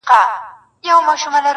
یو په ښار کي اوسېدی بل په صحرا کي؛